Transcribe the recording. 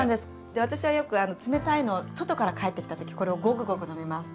で私はよく冷たいのを外から帰ってきた時これをゴクゴク飲みます。